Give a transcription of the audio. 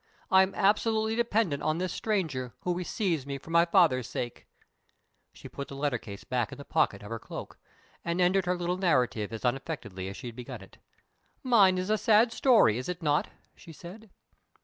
I am absolutely dependent on this stranger, who receives me for my father's sake." She put the letter case back in the pocket of her cloak, and ended her little narrative as unaffectedly as she had begun it. "Mine is a sad story, is it not?" she said.